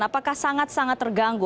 apakah sangat sangat terganggu